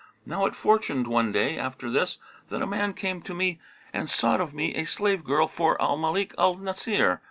Now it fortuned one day after this, that a man came to me and sought of me a slave girl for Al Malik al Nasir.